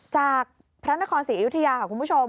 จากพระนครศรีอยุธยาค่ะคุณผู้ชม